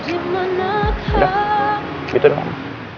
udah gitu doang